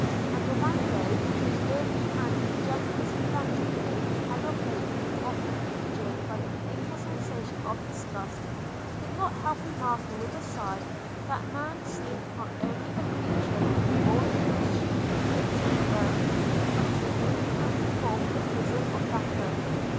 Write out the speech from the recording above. – And Orlando, whose early and ingenuous philanthropy had of late been often injured by a painful sensation of disgust, could not help remarking with a sigh, that man seemed not only a creature born to consume the fruits of the earth, but to wound and deform the bosom of that earth!